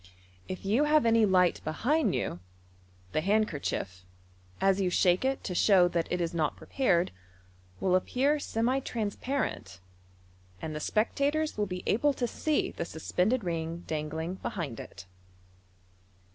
If you have any light oehind you, the handkerchief, as you shake it to show that it is not prepared, will appear semi trans parent, and the spectators will be able to see the suspended ring dangling behind it.